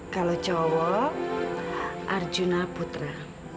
kalau cowok arjuna putra